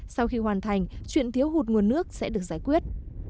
sau khi hoàn thành chuyện thiếu hụt nguồn nước sẽ được giải quyết